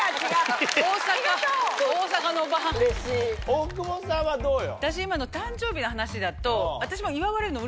大久保さんはどうよ？